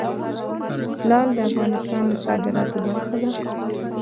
لعل د افغانستان د صادراتو برخه ده.